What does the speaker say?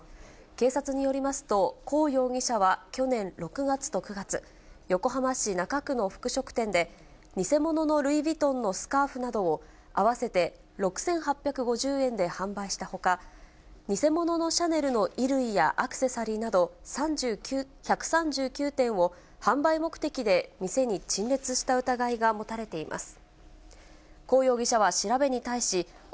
警察によりますと、江容疑者は、去年６月と９月、横浜市中区の服飾店で、偽物のルイ・ヴィトンのスカーフなどを、合わせて６８５０円で販売したほか、偽物のシャネルの衣類やアクセサリーなど１３９点を販売目的で、店に陳列した疑いが持たれています。